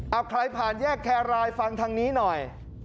เอาใครผ่านแยกแครรายฟังทางนี้หน่อย